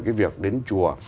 cái việc đến chùa